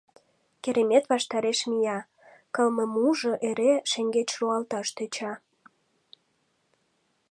Керемет ваштареш мия, Кылмымужо эре шеҥгеч руалташ тӧча.